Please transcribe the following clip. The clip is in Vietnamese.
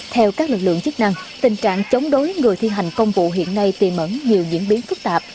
theo các lực lượng chức năng tình trạng chống đối người thi hành công vụ hiện nay tiền mẫn nhiều diễn biến phức tạp